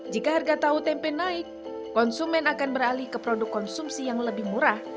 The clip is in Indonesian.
jika harga tahu tempe naik konsumen akan beralih ke produk konsumsi yang lebih murah